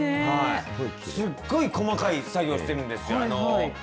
すっごい細かい作業してるんですよ。